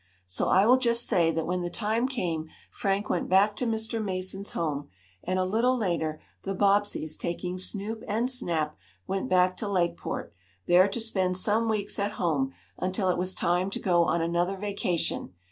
So I will just say that when the time came Frank went back to Mr. Mason's home, and, a little later, the Bobbseys taking Snoop and Snap, went back to Lakeport, there to spend some weeks at home, until it was time to go on another vacation.